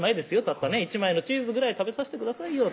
たったね１枚のチーズぐらい食べさせてくださいよ